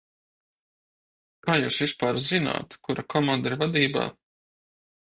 Kā jūs vispār zināt, kura komanda ir vadībā?